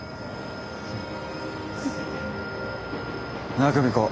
なあ久美子。